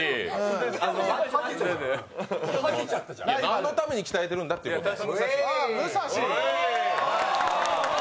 何のために鍛えてるんだっていうことで。